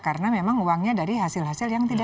karena memang uangnya dari hasil hasil yang tidak sah